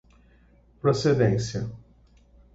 procedência